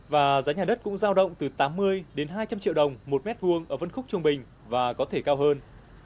và giá nhà đất cũng giao động từ tám mươi đến hai trăm linh triệu đồng một mét vuông ở phân khúc trung bình và có thể cao hơn